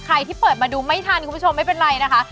ที่เปิดมาดูไม่ทันคุณผู้ชมไม่เป็นไรนะคะ